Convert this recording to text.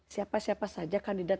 siapa siapa saja kandidat